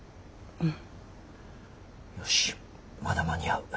うん。